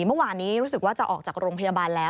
เมื่อวานนี้รู้สึกว่าจะออกจากโรงพยาบาลแล้ว